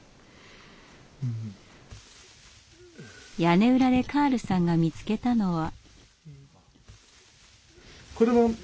屋根裏でカールさんが見つけたのは。